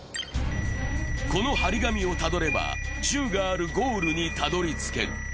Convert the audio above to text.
この貼り紙をたどれば、銃があるゴールにたどり着ける。